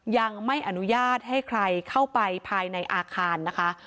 ยังไม่อนุญาตให้ใครเข้าไปภายในอาคารนะคะ